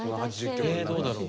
えどうだろう。